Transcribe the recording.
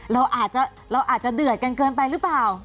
เราอาจจะเดือดกันเกินไปหรือเปล่า